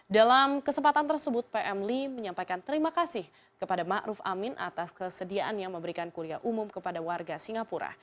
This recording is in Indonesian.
dalam kesempatan tersebut pm lee menyampaikan terima kasih kepada ⁇ maruf ⁇ amin atas kesediaannya memberikan kuliah umum kepada warga singapura